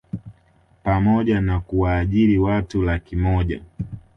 pamoja na kuwaajiri watu laki moja